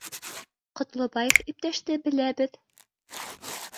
— Ҡотлобаев иптәште беләбеҙ